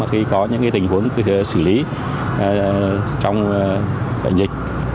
khi có những tình huống xử lý trong bệnh dịch